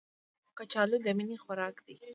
کچالو د مینې خوراک دی